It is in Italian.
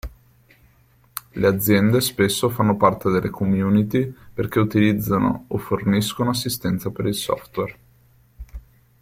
Le aziende spesso fanno parte delle community perché utilizzano o forniscono assistenza per il software.